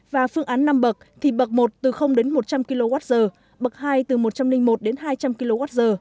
và phương án năm bậc thì bậc một từ đến một trăm linh kwh bậc hai từ một trăm linh một đến hai trăm linh kwh